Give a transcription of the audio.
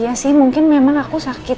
ya sih mungkin memang aku sakit